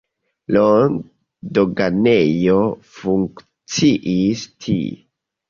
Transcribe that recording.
Longe doganejo funkciis tie.